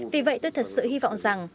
vì vậy tôi thật sự hy vọng rằng